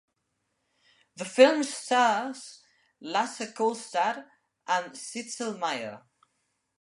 The film stars Lasse Kolstad and Sidsel Meyer.